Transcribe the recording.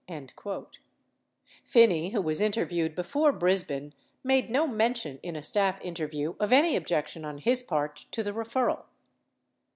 Phinney, who was interviewed before Brisbin, made no mention in a staff interview of any objection on his part to the referral.